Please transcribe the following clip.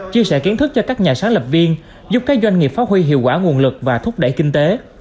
chia sẻ kiến thức cho các nhà sáng lập viên giúp các doanh nghiệp phát huy hiệu quả nguồn lực và thúc đẩy kinh tế